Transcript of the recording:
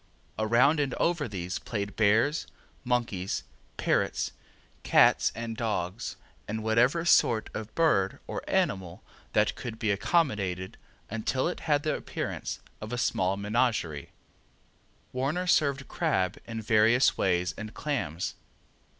Around and over these played bears, monkeys, parrots, cats, and dogs, and whatever sort of bird or animal that could be accommodated until it had the appearance of a small menagerie. Warner served crab in various ways and clams.